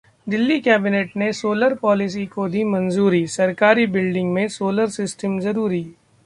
Delhi cabinet ने solar policy को दी मंजूरी, सरकारी बिल्डिंग में सोलर सिस्टम जरूरी